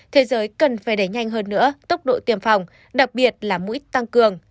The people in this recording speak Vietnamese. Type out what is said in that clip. thế giới cần phải đẩy nhanh hơn nữa tốc độ tiêm phòng đặc biệt là mũi tăng cường